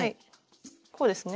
こうですね？